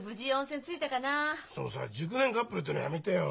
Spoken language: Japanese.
そのさ「熟年カップル」ってのやめてよ。